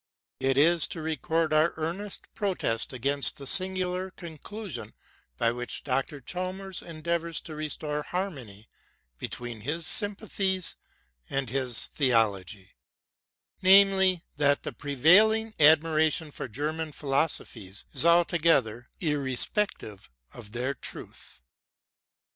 It is to record our earnest protest against the singular conclusion by which Dr. Chalmers endeavours to restore harmony be tween hifl sympathies and his theology; — namely, that the prevailing admiration for German philosophies is altoge ther five of their truth.